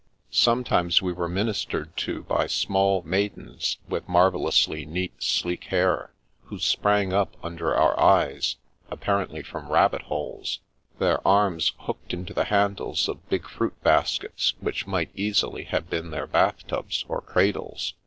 Sometimes we were ministered to by small maid ens, with marvellously neat, sleek hair, who sprang up under our eyes, apparently from rabbit holes, their arms hooked into the handles of big fruit baskets which might easily have been their bath tubs or cradles.